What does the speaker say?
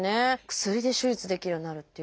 薬で手術できるようになるっていう。